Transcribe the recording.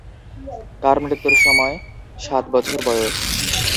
কার মৃত্যুর সময় সাত বছর বয়স?